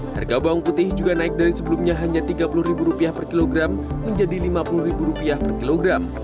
harga bawang putih juga naik dari sebelumnya hanya rp tiga puluh per kilogram menjadi rp lima puluh per kilogram